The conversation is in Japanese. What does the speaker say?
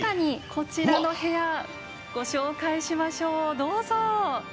こちらの部屋、ご紹介しましょう。